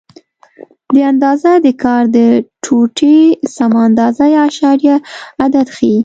دا اندازه د کار د ټوټې سمه اندازه یا اعشاریه عدد ښیي.